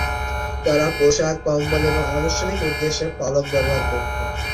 তারা পোশাক, কম্বল এবং আনুষ্ঠানিক উদ্দেশ্যে পালক ব্যবহার করত।